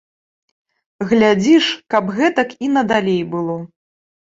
Глядзі ж, каб гэтак і надалей было.